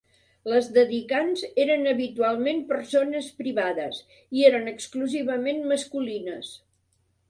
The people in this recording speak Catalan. Les dedicants eren habitualment persones privades i eren exclusivament masculines.